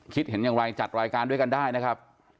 คิดเห็นอย่างไรจัดรายการด้วยกันได้นะครับ